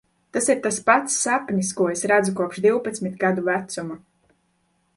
Tas ir tas pats sapnis, ko es redzu kopš divpadsmit gadu vecuma.